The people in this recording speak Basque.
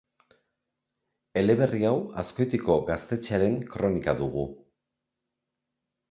Eleberri hau Azkoitiko Gaztetxearen kronika dugu.